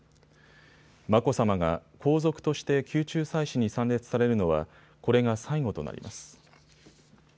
眞子さまが皇族として宮中祭祀に参列されるのはこれが最後となります。